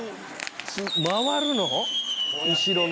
回るの？